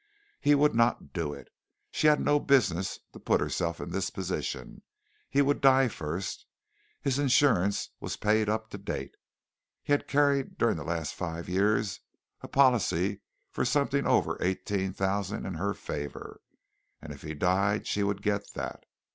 He would not do it. She had no business to put herself in this position. He would die first. His insurance was paid up to date. He had carried during the last five years a policy for something over eighteen thousand in her favor, and if he died she would get that.